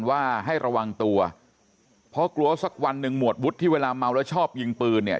ว่าให้ระวังตัวเพราะกลัวสักวันหนึ่งหมวดวุฒิที่เวลาเมาแล้วชอบยิงปืนเนี่ย